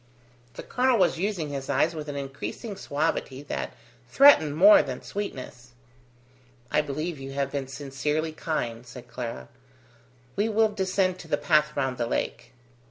The colonel was using his eyes with an increasing suavity that threatened more than sweetness. "I believe you have been sincerely kind," said Clara. "We will descend to the path round the lake."